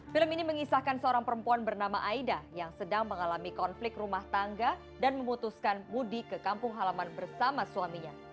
film ini mengisahkan seorang perempuan bernama aida yang sedang mengalami konflik rumah tangga dan memutuskan mudik ke kampung halaman bersama suaminya